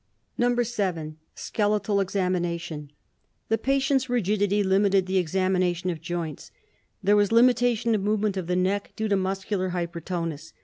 7. Skeletal Examination: The patient's rigidity limited the examination of joints. There was limitation of movement of the neck due to muscular hypertonus.